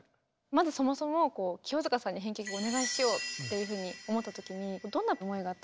まずそもそも清塚さんに編曲お願いしようっていうふうに思ったときにどんな思いがあったんですか？